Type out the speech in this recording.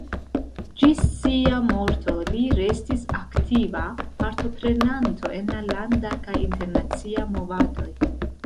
Ĝis sia morto li restis aktiva partoprenanto en la landa kaj internacia movadoj.